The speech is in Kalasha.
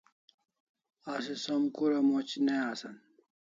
Asi som kura moc ne asan